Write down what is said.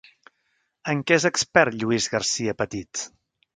En què és expert Lluís Garcia Petit?